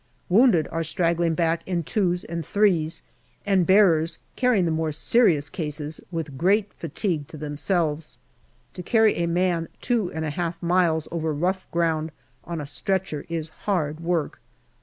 Wounded are straggling back in twos and threes, and bearers carrying the more serious cases, with great fatigue to themselves. To carry a man two and a half miles over rough ground on a stretcher is hard work.